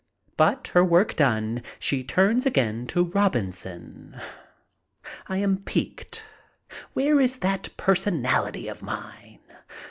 But, her duty done, she turns again to Robinson. I am piqued. Where is that personality of mine?